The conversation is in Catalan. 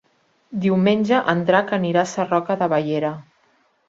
Diumenge en Drac anirà a Sarroca de Bellera.